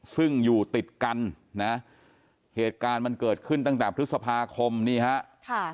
ซึ่งอยู่ติดกันนะเหตุการณ์มันเกิดขึ้นตั้งแต่พฤษภาคมนี่ฮะค่ะ